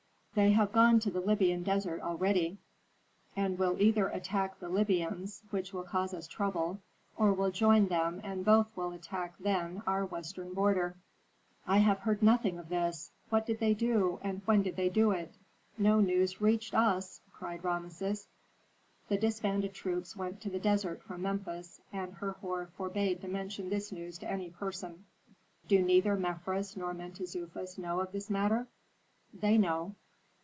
"They have gone to the Libyan desert already, and will either attack the Libyans, which will cause us trouble, or will join them and both will attack then our western border." "I have heard nothing of this! What did they do, and when did they do it? No news reached us!" cried Rameses. "The disbanded troops went to the desert from Memphis, and Herhor forbade to mention this news to any person." "Do neither Mefres nor Mentezufis know of this matter?" "They know."